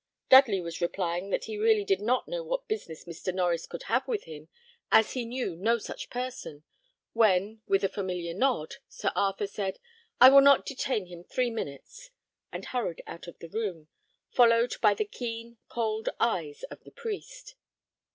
Dudley was replying that he really did not know what business Mr. Norries could have with him, as he knew no such person, when, with a familiar nod, Sir Arthur said, "I will not detain him three minutes," and hurried out of the room, followed by the keen, cold eye of the priest.